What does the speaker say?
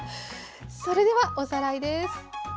それではおさらいです。